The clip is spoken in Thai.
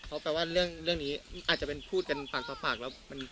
ครับเพราะแปลว่าเรื่องเรื่องนี้อาจจะเป็นพูดเป็นฝากฝากฝากแล้ว